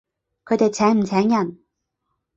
佢哋請唔請人？